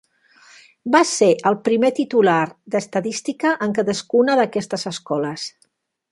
Va ser el primer titular d’estadística en cadascuna d'aquestes escoles.